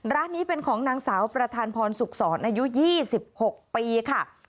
ร้านนี้เป็นของนางสาวประธานพรสุขศรอายุ๒๖ปีค่ะ